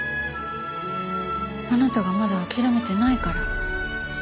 あなたがまだ諦めてないから。